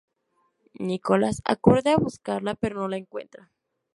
Nicholas acude a buscarla, pero no la encuentra.